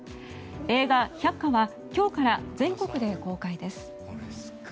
映画「百花」は今日から全国で公開です。